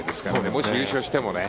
もし優勝してもね。